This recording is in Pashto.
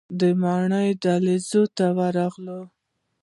د ماڼۍ دهلیز ته ورغلو.